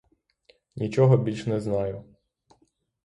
Нічого більш не знаю.